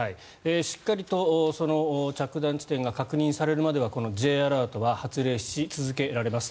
しっかりと着弾地点が確認されるまではＪアラートは発令し続けられます。